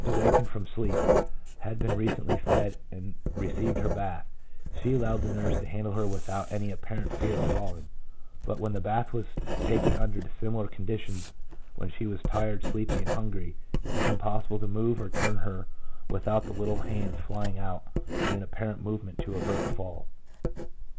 awakened from sleep, had been recently fed, and was receiving her bath, she allowed the nurse to handle her without any apparent fear of falling; but when the bath was taken under dissimilar conditions, when she was tired, sleepy, and hungry, it was impossible to move or turn her without the little hands flying out in an apparent movement to avert a fall.